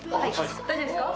大丈夫ですか？